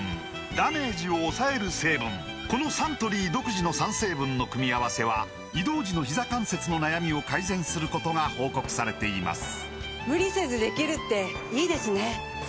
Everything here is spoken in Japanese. このサントリー独自の３成分の組み合わせは移動時のひざ関節の悩みを改善することが報告されています